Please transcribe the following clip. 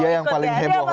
dia yang paling heboh